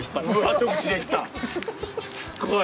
すごい。